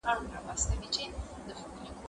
زه چا ترلاس نیولی چي نشه به مي کوله